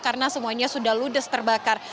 karena semuanya sudah ludes terbakar